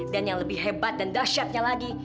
dan yang lebih hebat dan dahsyatnya lagi